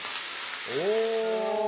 お！